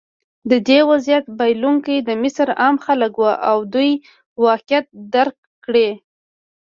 د دې وضعیت بایلونکي د مصر عام خلک وو او دوی واقعیت درک کړی.